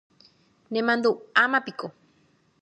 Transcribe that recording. Nemandu'ámapiko